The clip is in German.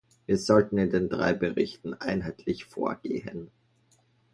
Wir sollten in den drei Berichten einheitlich vorgehen.